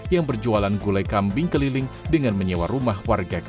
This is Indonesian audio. yang berjualan gulai kambing keliling dengan menyewa rumah warga